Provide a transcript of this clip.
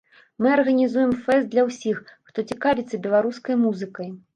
Мы арганізуем фэст для ўсіх, хто цікавіцца беларускай музыкай.